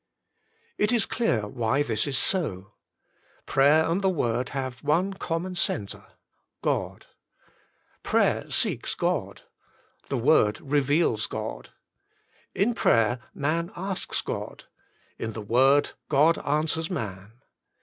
It is clear why this is so. Prayer and the Word have one common centre — God. Prayer seeks God : the Word reveals God. In prayer man askg God: in the Word God answers man.